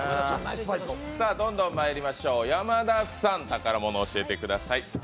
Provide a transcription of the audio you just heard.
どんどんまいりましょう、山田さん、宝物、教えてください。